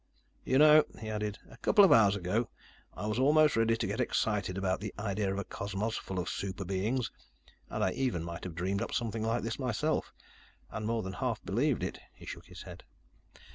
"You know," he added, "a couple of hours ago, I was almost ready to get excited about the idea of a cosmos full of super beings. And I even might have dreamed up something like this myself and more than half believed it." He shook his head.